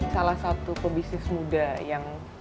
salah satu pebisnis muda yang